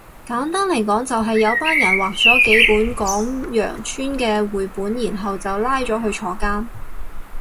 簡單嚟講就係有班人畫咗幾本講羊村嘅繪本然後就拉咗去坐監